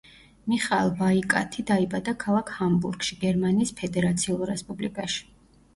მიხაელ ვაიკათი დაიბადა ქალაქ ჰამბურგში, გერმანიის ფედერაციულ რესპუბლიკაში.